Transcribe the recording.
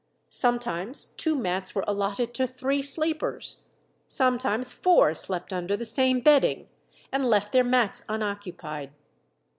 Sometimes two mats were allotted to three sleepers. Sometimes four slept under the same bedding, and left their mats unoccupied.